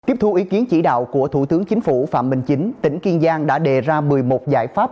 tiếp thu ý kiến chỉ đạo của thủ tướng chính phủ phạm minh chính tỉnh kiên giang đã đề ra một mươi một giải pháp